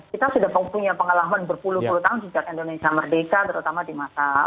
kita sudah punya pengalaman berpuluh puluh tahun sejak indonesia merdeka terutama di masa